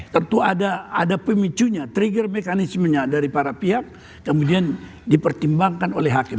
tentu ada pemicunya trigger mekanismenya dari para pihak kemudian dipertimbangkan oleh hakim